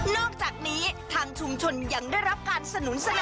อกจากนี้ทางชุมชนยังได้รับการสนุนเสนอ